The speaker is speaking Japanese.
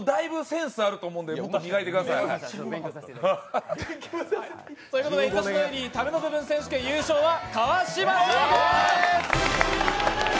大分センスあるので磨いてください。ということで、「いとしのエリータメの部分選手権」優勝は川島さんです。